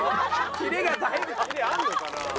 キレあるのかな？